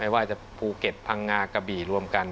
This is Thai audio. ว่าจะภูเก็ตพังงากระบี่รวมกัน